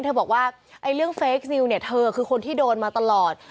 เธอบอกว่าไอ้เรื่องเฟคนิวเนี่ยเธอคือคนที่โดนมาตลอด